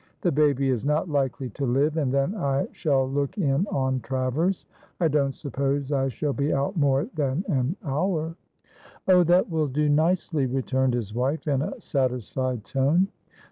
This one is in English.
The baby is not likely to live; and then I shall look in on Travers. I don't suppose I shall be out more than an hour." "Oh, that will do nicely," returned his wife, in a satisfied tone.